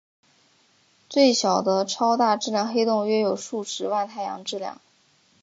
最小的超大质量黑洞约有数十万太阳质量。